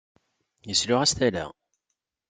Yesluɣ-as tala.